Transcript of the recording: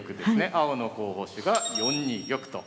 青の候補手が４二玉と。